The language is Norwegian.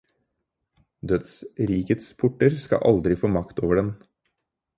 Dødsrikets porter skal aldri få makt over den.